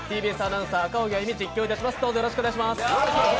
ＴＢＳアナウンサー・赤荻歩、実況いたします。